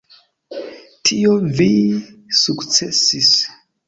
Tion vi sukcesis.